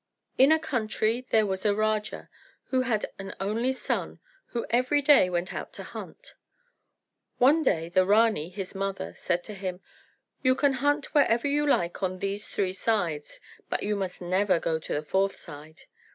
In a country there was a Raja who had an only son who every day went out to hunt. One day the Rani, his mother, said to him, "You can hunt wherever you like on these three sides; but you must never go to the fourth side."